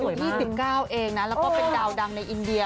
๒๙เองนะแล้วก็เป็นดาวดังในอินเดีย